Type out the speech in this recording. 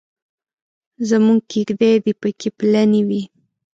زموږ کېږدۍ دې پکې پلنې وي.